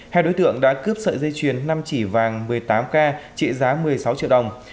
hai đối tượng đã cướp sợi dây chuyền năm chỉ vàng một mươi tám k trị giá một mươi sáu triệu đồng